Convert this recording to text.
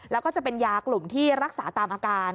แล้วก็จะเป็นยากลุ่มที่รักษาตามอาการ